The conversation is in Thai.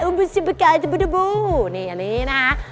อุปกรณ์ตบแต่งห้องเด็กอันนี้นะคะ